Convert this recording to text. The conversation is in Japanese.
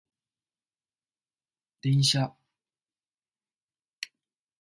電車